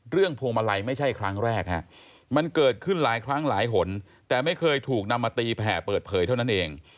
พวงมาลัยไม่ใช่ครั้งแรกฮะมันเกิดขึ้นหลายครั้งหลายหนแต่ไม่เคยถูกนำมาตีแผ่เปิดเผยเท่านั้นเอง